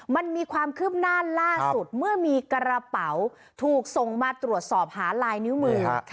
มันมีความคืบหน้าล่าสุดเมื่อมีกระเป๋าถูกส่งมาตรวจสอบหาลายนิ้วมือ